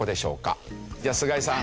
じゃあ菅井さん。